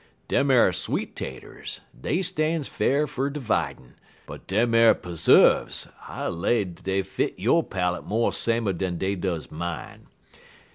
Dem ar sweet taters, dey stan's fa'r fer dividjun, but dem ar puzzuv, I lay dey fit yo' palate mo' samer dan dey does mine.